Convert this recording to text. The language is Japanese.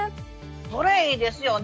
それいいですよね。